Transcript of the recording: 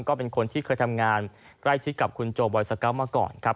ก็เป็นคนที่เคยทำงานใกล้ชิดกับคุณโจบอยสเกาะมาก่อนครับ